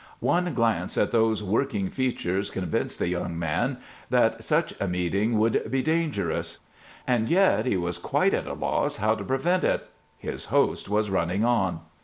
One glance at those working features convinced the young man that such a meeting would be dangerous; and yet he was quite at a loss how to prevent it. His host was running on.